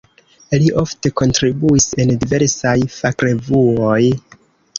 Li ofte kontribuis en diversaj fakrevuoj.